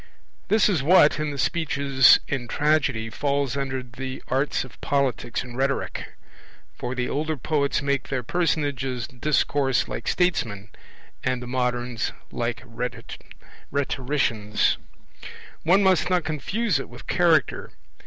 This is what, in the speeches in Tragedy, falls under the arts of Politics and Rhetoric; for the older poets make their personages discourse like statesmen, and the moderns like rhetoricians. One must not confuse it with Character.